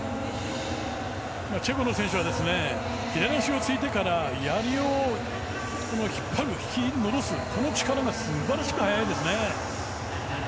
チェコの選手は左足をついてからやりを引っ張る、引き戻す速度がものすごく速いんですね。